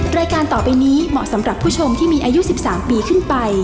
รายการต่อไปนี้เหมาะสำหรับผู้ชมที่มีอายุ๑๓ปีขึ้นไป